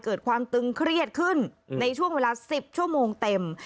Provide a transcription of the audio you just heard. เกิดความตึงเครียดขึ้นในช่วงเวลา๑๐ชั่วโมงเต็ม